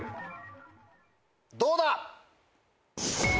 どうだ？